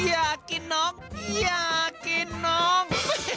อยากกินน้องอยากกินน้อง